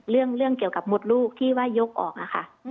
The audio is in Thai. เรื่องเกี่ยวกับมดลูกที่ว่ายกออกค่ะ